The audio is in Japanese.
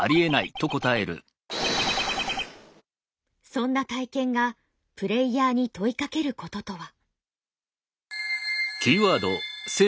そんな体験がプレイヤーに問いかけることとは。